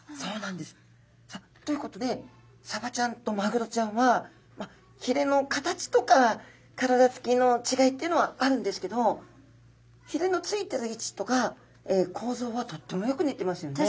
ということでサバちゃんとマグロちゃんはひれの形とか体つきの違いっていうのはあるんですけどひれのついてる位置とか構造はとってもよく似てますよね。